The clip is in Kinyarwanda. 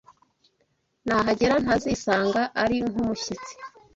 Nahagera ntazisanga ari nk’umushyitsi